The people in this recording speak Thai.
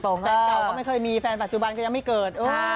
แฟนเก่าก็ไม่เคยมีแฟนปัจจุบันก็ยังไม่เกิด